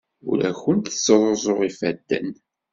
Ur awent-ttruẓuɣ ifadden.